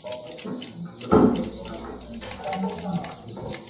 Subsequent written sources use the forms "Clipestone", "Clippeston", "Clipiston".